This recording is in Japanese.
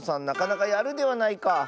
なかなかやるではないか。